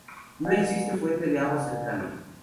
No existe fuente de agua cercana.